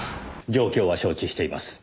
状況は承知しています。